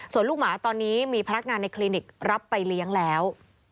ส่วนลูกหมาตอนนี้มีพนักงานในคลินิกรับไปเลี้ยงแล้ว